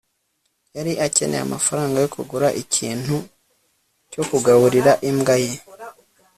yari akeneye amafaranga yo kugura ikintu cyo kugaburira imbwa ye